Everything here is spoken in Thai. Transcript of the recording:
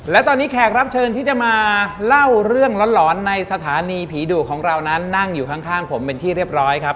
และตอนนี้แขกรับเชิญที่จะมาเล่าเรื่องหลอนในสถานีผีดุของเรานั้นนั่งอยู่ข้างผมเป็นที่เรียบร้อยครับ